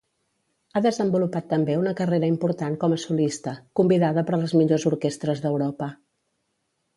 Ha desenvolupat també una carrera important com a solista, convidada per les millors orquestres d'Europa.